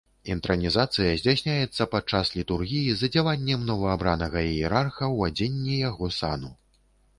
Інтранізацыя здзяйсняецца падчас літургіі з адзяваннем новаабранага іерарха ў адзенні яго сану.